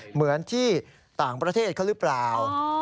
เหมือนที่ต่างประเทศเขาหรือเปล่า